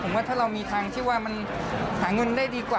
ผมว่าถ้าเรามีทางที่ว่ามันหาเงินได้ดีกว่า